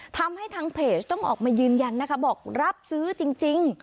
ทำให้ทางเพจต้องออกมายืนยันนะคะบอกรับซื้อจริง